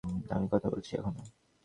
আমি কথা বলছি এখনও।